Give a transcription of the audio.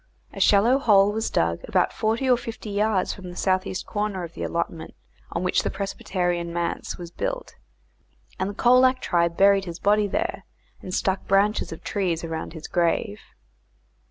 A shallow hole was dug about forty or fifty yards from the south east corner of the allotment on which the Presbyterian manse was built, and the Colac tribe buried his body there, and stuck branches of trees around his grave.